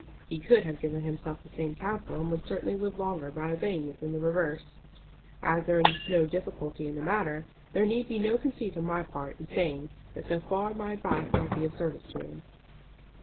He could have given himself the same counsel, and would certainly live longer by obeying it than the reverse. As there is no difficulty in the matter, there need be no conceit on my part in saying that so far my advice might be of service to him."